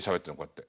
って